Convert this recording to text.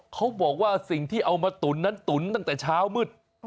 เขาบอกว่าสิ่งที่เอามาตุ๋นนั้นตุ๋นตั้งแต่เช้ามืด